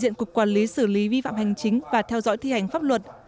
hiện có khoảng một ba triệu ô tô đang thực hiện việc thế chấp